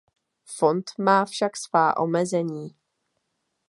Fond má však svá omezení.